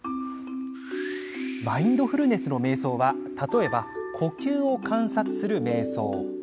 マインドフルネスの瞑想は例えば呼吸を観察する瞑想。